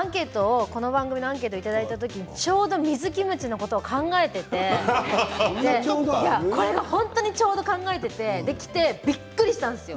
この番組のアンケートいただいた時、水キムチのことを考えていて本当にちょうど考えていてきて、びっくりしたんですよ。